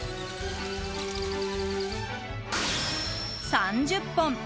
３０本。